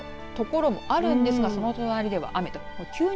晴れの所もあるんですがその隣では雨と。